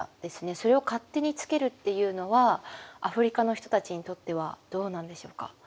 それを勝手に付けるっていうのはアフリカの人たちにとってはどうなんでしょうか？